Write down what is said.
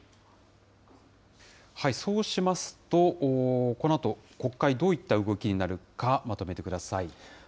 そうしますと、このあと国会、どういった動きになるか、まとめてください。